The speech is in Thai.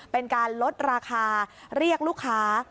เป็นการลดราคาเรียกลูกค้า